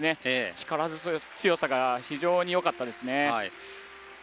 力強さが非常によかったですね。